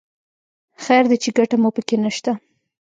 خیر دی چې ګټه مو په کې نه شته.